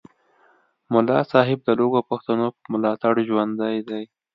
ملا صاحب د لږو پښتنو په ملاتړ ژوندی دی